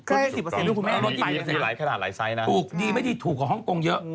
ใช่๑๐พี่แม่นว่าที่นี่ก็ไตล์หรือเป็นหลายไซซ์นะครับดีมั้ยถูกกว่าห้องกงเยอะ